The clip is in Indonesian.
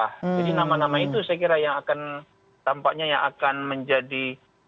jadi nama nama itu saya kira yang akan tampaknya yang akan menjadi